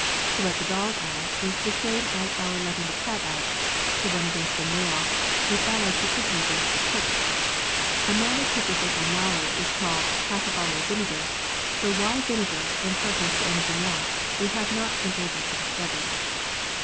To let the dog out is the same as our letting the cat out ; to run against a nail is allied to kicking against the pricks. A man of superficial knowledge is called half a bottle of vinegar, though why vinegar, in preference to anything else, we have not been able to discover.